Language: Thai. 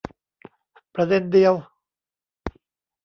ประเด็นเดียว